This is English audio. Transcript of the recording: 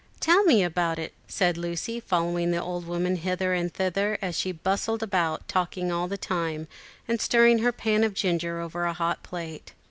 "Tell me all about it," said Lucy, following the old woman hither and thither as she bustled about, talking all the time, and stirring her pan of ginger over the hot plate.